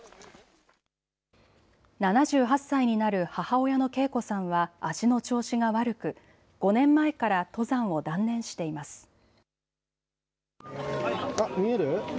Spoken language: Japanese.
７８歳になる母親の啓子さんは足の調子が悪く５年前から登山を断念しています。見える？